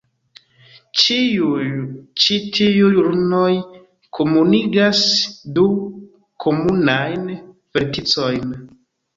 Ĉiuj ĉi tiuj lunoj komunigas du komunajn verticojn.